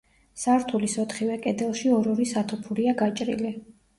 სართულის ოთხივე კედელში ორ-ორი სათოფურია გაჭრილი.